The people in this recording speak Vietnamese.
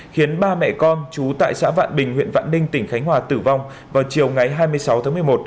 khiến ba mẹ con chú tại xã vạn bình huyện vạn ninh tỉnh khánh hòa tử vong vào chiều ngày hai mươi sáu tháng một mươi một